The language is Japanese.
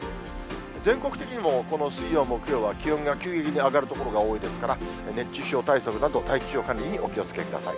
全国的にもこの水曜、木曜は気温が急激に上がる所が多いですから、熱中症対策など、体調管理にお気をつけください。